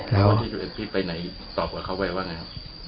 ไปไหนตอบบอกเขาว่าไงครับ